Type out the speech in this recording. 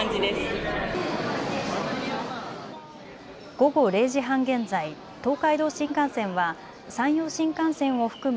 午後０時半現在、東海道新幹線は山陽新幹線を含む